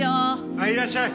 ああいらっしゃい！